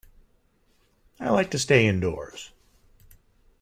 I like to stay indoors.